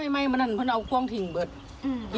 ตีแม่งวันเจ๋ยแม่งวันมันบินต้อมเจ๋ย